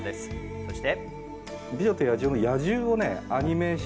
そして。